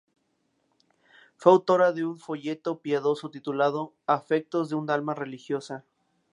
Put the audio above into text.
Fue autora de un folleto piadoso titulado "Afectos de un alma religiosa.